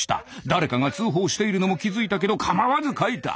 誰かが通報しているのも気付いたけど構わず書いた。